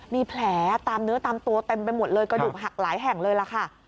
มีแผลตามเนื้อตามตัวเต็มไปหมดเลยกระดูกหักหลายแห่งเลยล่ะค่ะ